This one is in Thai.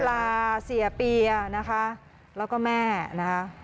ลาเสียเปียนะคะแล้วก็แม่นะคะ